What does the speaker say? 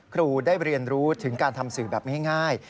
ครูได้เรียนรู้ถึงการทำสื่อแบบง่าย